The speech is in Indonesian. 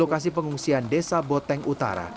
lokasi pengungsian desa boteng utara